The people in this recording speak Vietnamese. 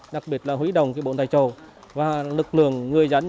đặc biệt là hủy đồng bộn tay trồ và lực lượng người dân